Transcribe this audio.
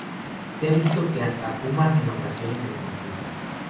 Se ha visto que hasta fuma en ocasiones en consultas.